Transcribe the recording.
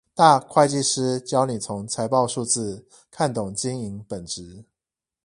大會計師教你從財報數字看懂經營本質